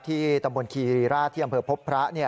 ตำบลคีรีราชที่อำเภอพบพระ